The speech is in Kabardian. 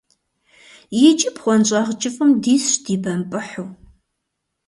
Иджы бгъуэнщӀагъ кӀыфӀым дисщ, дибэмпӀыхьу.